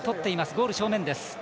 ゴール正面です。